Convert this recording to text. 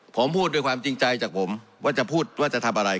ผมพูดด้วยความจริงใจจากผมว่าจะพูดว่าจะทำอะไร